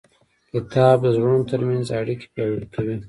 کتاب د زړونو ترمنځ اړیکې پیاوړې کوي.